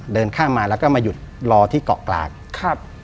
เดินข้ามมาแล้วก็มาหยุดรอที่เกาะกลางครับ